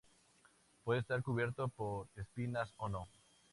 Puede estar cubierto por espinas o no.